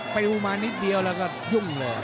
ปลิวมานิดเดียวแล้วก็ยุ่งเลย